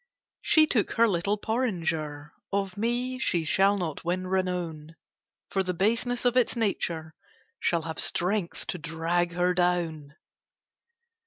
She took her little porringer: Of me she shall not win renown: For the baseness of its nature shall have strength to drag her down.